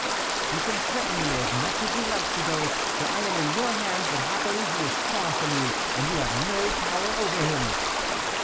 " You can threaten me as much as you like, Thibault, for I am in your hands; but, happily, he is far from you, and you have no power over him."